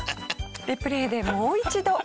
リプレーでもう一度。